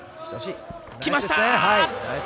きました！